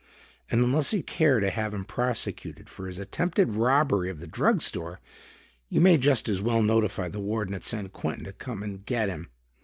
And unless you care to have him prosecuted for his attempted robbery of the drug store, you may just as well notify the Warden at San Quentin to come up and get him.